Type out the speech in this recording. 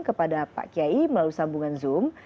kepada pak kiai melalui sambungan zoom